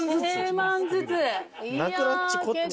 １万ずつ？